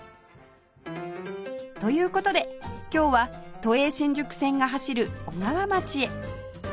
という事で今日は都営新宿線が走る小川町へ